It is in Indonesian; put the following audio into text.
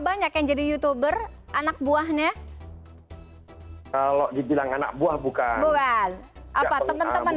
banyak yang jadi youtuber anak buahnya kalau dibilang anak buah bukan bukan apa teman teman